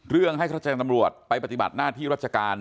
เรื่องให้แจ้งตำรวจไปปฏิบัติหน้าที่รัชการ